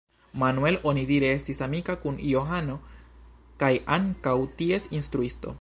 Manuel onidire estis amika kun Johano kaj ankaŭ ties instruisto.